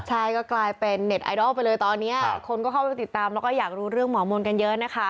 ใช่ก็กลายเป็นเน็ตไอดอลไปเลยตอนนี้คนก็เข้าไปติดตามแล้วก็อยากรู้เรื่องหมอมนต์กันเยอะนะคะ